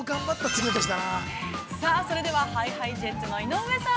◆さあ、それでは、ＨｉＨｉＪｅｔｓの井上さん。